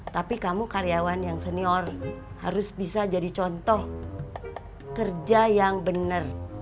tapi kamu karyawan yang senior harus bisa jadi contoh kerja yang benar